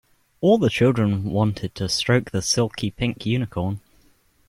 All the children wanted to stroke the silky pink unicorn